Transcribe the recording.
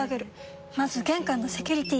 まず玄関のセキュリティ！